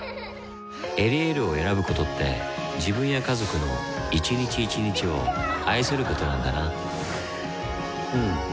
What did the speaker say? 「エリエール」を選ぶことって自分や家族の一日一日を愛することなんだなうん。